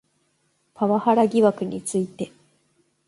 パワハラ疑惑について